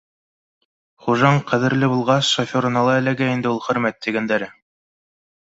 Хужаң ҡәҙерле булғас, шоферына ла эләгә инде ул хөрмәт тигәндәре